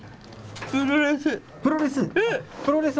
プロレス。